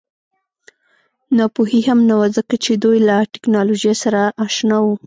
ناپوهي هم نه وه ځکه چې دوی له ټکنالوژۍ سره اشنا وو